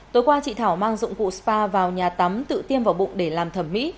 tối qua chị thảo mang dụng cụ spa vào nhà tắm tự tiêm vào bụng để làm thẩm mỹ